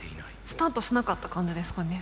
スタートしなかった感じですかね。